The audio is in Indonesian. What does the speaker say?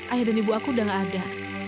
ayah dan ibu aku udah gak ada